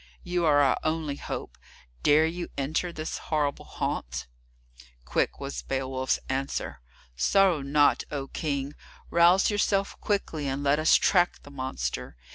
You are our only help, dare you enter this horrible haunt?" Quick was Beowulf's answer: "Sorrow not, O King! Rouse yourself quickly, and let us track the monster.